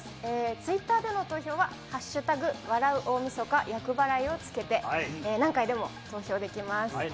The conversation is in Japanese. ツイッターでの投票は＃笑う大晦日厄払いをつけて、何回でも投票できます。